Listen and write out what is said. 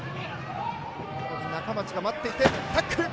中町が待っていて、タックル！